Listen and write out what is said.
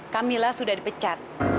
kamila sudah dipecat